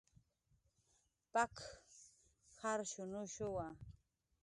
"P""ak"" jarshunushuwa "